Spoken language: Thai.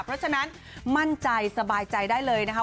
เพราะฉะนั้นมั่นใจสบายใจได้เลยนะคะ